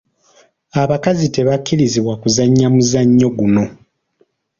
Abakazi tebakkirizibwa kuzannya omuzannyo guno.